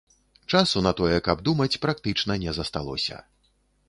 Часу на тое, каб думаць, практычна не засталося.